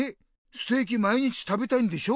ステーキ毎日食べたいんでしょ？